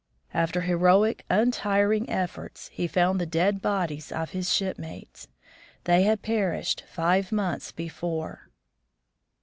After heroic, untiring efforts, he found the dead bodies of his shipmates. They had perished five months before.